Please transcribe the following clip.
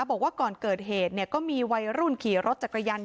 บอกว่าก่อนเกิดเหตุก็มีวัยรุ่นขี่รถจักรยาน